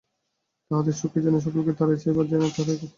তাহাদের সুখ যেন সকলকেই তাড়াইতেছে, এবার যেন তাহাকেই তাড়াইবার পালা।